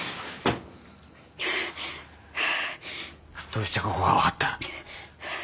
どうしてここが分かった？